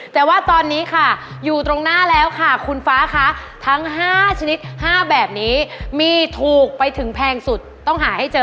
แต่ว่าตอนนี้ค่ะอยู่ตรงหน้าแล้วค่ะคุณฟ้าคะทั้ง๕ชนิด๕แบบนี้มีถูกไปถึงแพงสุดต้องหาให้เจอ